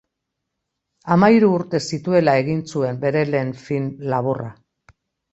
Hamahiru urte zituela egin zuen bere lehen film laburra.